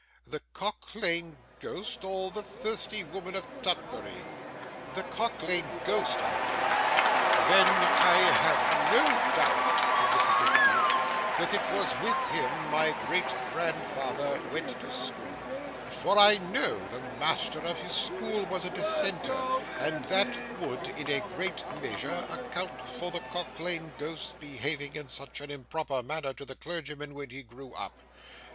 The Cock lane Ghost or the Thirsty Woman of Tutbury?' 'The Cock lane Ghost, I believe.' 'Then I have no doubt,' said Mrs. Nickleby, 'that it was with him my great grandfather went to school; for I know the master of his school was a dissenter, and that would, in a great measure, account for the Cock lane Ghost's behaving in such an improper manner to the clergyman when he grew up.